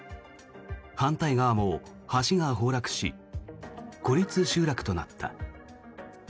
反対側も橋が崩落し孤立集落となった。